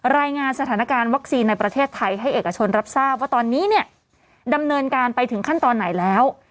รายงานสถานการณ์วัคซีนในประเทศไทยให้เอกชนรับทราบว่าตอนนี้เนี่ยดำเนินการไปถึงขั้นตอนไหนแล้ว